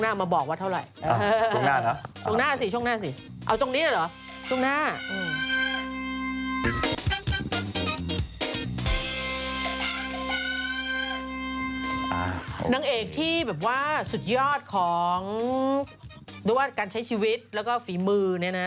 นางเอกที่สุดยอดของการใช้ชีวิตแล้วก็ฝีมือนี้นะ